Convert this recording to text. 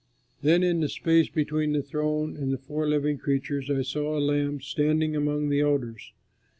Then in the space between the throne and the four living creatures I saw a Lamb standing among the elders.